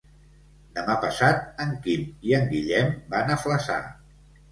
Demà passat en Quim i en Guillem van a Flaçà.